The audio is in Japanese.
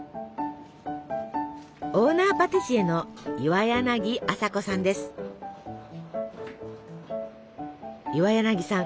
オーナーパティシエの岩柳さん